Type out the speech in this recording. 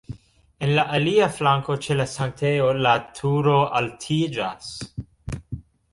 En la alia flanko ĉe la sanktejo la turo altiĝas.